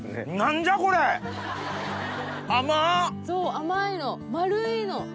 そう甘いの丸いの！